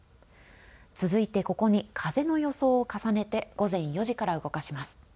続いて、ここに風の予想を重ねて午前４時から動かします。